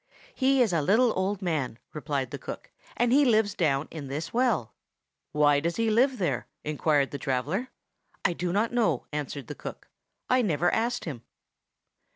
"He is a little old man," replied the cook; "and he lives down in this well." "Why does he live there?" inquired the traveller. "I do not know," answered the cook; "I never asked him."